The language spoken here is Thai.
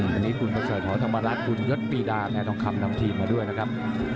วันนี้คุณประเสริฐหอธรรมรัฐบุญยศปีดาแม่ทองคำนำทีมมาด้วยนะครับ